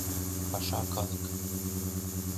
Паша калык.